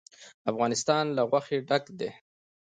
افغانستان له غوښې ډک دی.